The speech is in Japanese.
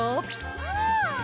うん！